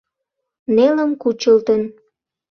— Нелым кучылтын...